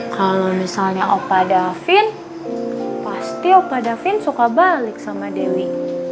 kalau misalnya opa davin pasti opa davin suka balik sama dewi